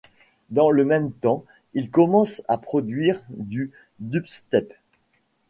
Dans le même temps, il commence à produire du dubstep.